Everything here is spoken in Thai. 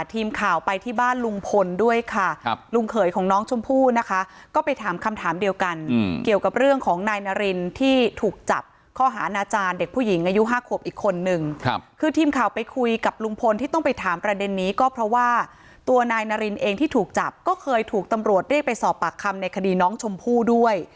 ทีมข่าวไปที่บ้านลุงพลด้วยค่ะครับลุงเขยของน้องชมพู่นะคะก็ไปถามคำถามเดียวกันเกี่ยวกับเรื่องของนายนารินที่ถูกจับข้อหาอาณาจารย์เด็กผู้หญิงอายุห้าขวบอีกคนนึงคือทีมข่าวไปคุยกับลุงพลที่ต้องไปถามประเด็นนี้ก็เพราะว่าตัวนายนารินเองที่ถูกจับก็เคยถูกตำรวจเรียกไปสอบปากคำในคดีน้องชมพู่ด้วย